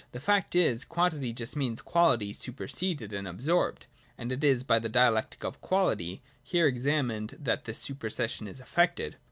The fact is, quantity just means quality super seded and absorbed : and it is by the dialectic of quality here examined that this supersession is effected.